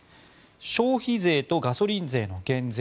消費税とガソリン税の減税。